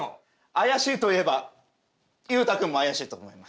怪しいといえば雄太君も怪しいと思います。